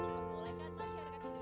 mabaran telah tiba sahabat pun datang